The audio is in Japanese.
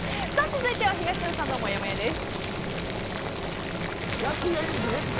続いては東野さんのもやもやです。